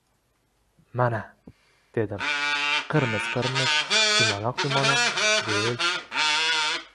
«Mana! — dedim. — Qirmiz-qirmiz... dumaloq-dumaloq... gul!»